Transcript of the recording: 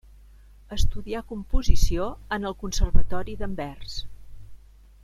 Estudià composició en el Conservatori d'Anvers.